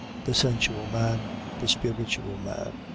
The sensual man the spiritual man.